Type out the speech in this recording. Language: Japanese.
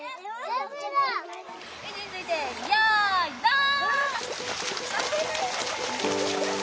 位置についてよいドン！